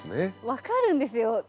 分かるんですよ。